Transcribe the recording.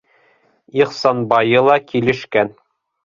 Ихсанбайы ла килешкән.